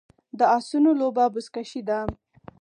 د اسونو لوبه بزکشي ده